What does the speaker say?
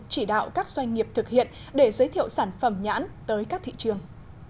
chỉ đạo các doanh nghiệp thực hiện để giới thiệu sản phẩm nhãn tới các thị trường